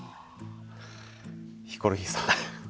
ヒコロヒーさん。